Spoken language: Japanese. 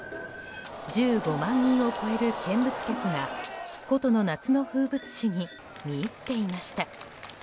１５万人を超える見物客が古都の夏の風物詩に見入っていました。